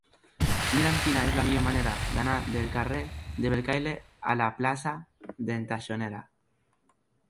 Mira'm quina és la millor manera d'anar del carrer de Bellcaire a la plaça d'en Taxonera.